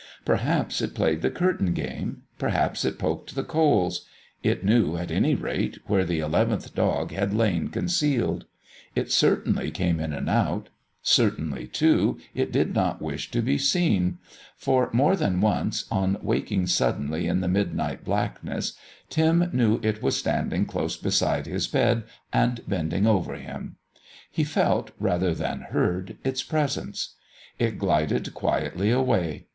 Perhaps it played the curtain game, perhaps it poked the coals; it knew, at any rate, where the eleventh dog had lain concealed. It certainly came in and out; certainly, too, it did not wish to be seen. For, more than once, on waking suddenly in the midnight blackness, Tim knew it was standing close beside his bed and bending over him. He felt, rather than heard, its presence. It glided quietly away.